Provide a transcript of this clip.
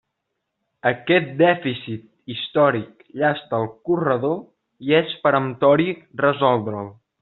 Aquest dèficit històric llasta el corredor i és peremptori resoldre'l.